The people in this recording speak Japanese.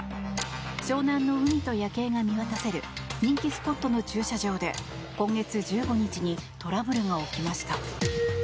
湘南の海と夜景が見渡せる人気スポットの駐車場で今月１５日にトラブルが起きました。